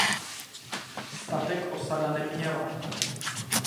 Statek osada neměla.